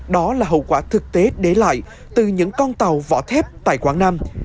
đó là hậu quả thực tế để lại từ những con tàu vỏ thép tại quảng nam